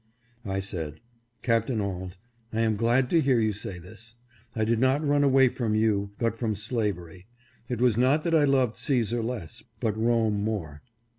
I said, " Capt. Auld, I am glad to hear you say this. I did not run away from you, but from slavery ; it was not that I loved Caesar less, but HIS AGE IS DETERMINED. 537 Rome more."